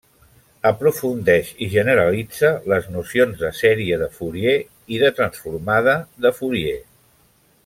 Aprofundeix i generalitza les nocions de sèrie de Fourier i de transformada de Fourier.